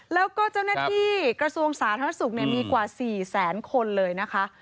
แล้วก็เจ้าหน้าที่กระทรวงสาธารณสุขมีกว่า๔แสนคนเลยนะคะ